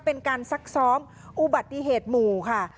ซักซ้อมอุบัติเหตุหมู่ค่ะ